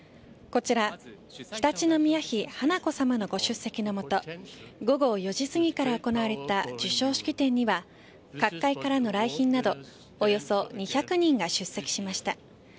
こちら、常陸宮華子さまのご出席のもと午後４時過ぎから行われた授賞式典には各界からの来賓などおよそ２００名が出席しました。